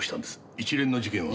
一連の事件は。